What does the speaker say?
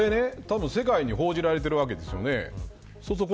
例えば世界に報じられているわけですよね。